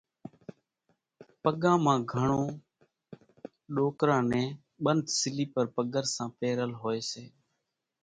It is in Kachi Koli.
پڳان مان گھڻون ڏوڪران نين ٻنڌ سليپر پڳرسان پيرل هوئيَ سي۔